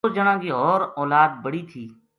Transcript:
اس جنا کی ہور اولاد بڑی تھی